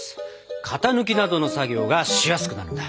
型抜きなどの作業がしやすくなるんだ。